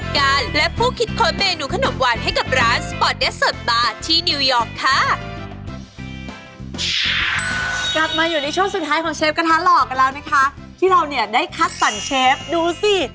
กลับมาอยู่ในช่วงสุดท้ายของเชฟกระทะหล่อกันแล้วนะคะที่เราเนี่ยได้คัดสรรเชฟดูสิ